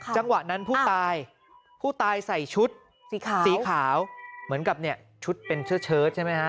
จังหวะนั้นผู้ตายผู้ตายใส่ชุดสีขาวเหมือนกับเนี่ยชุดเป็นเชื้อเชิดใช่ไหมฮะ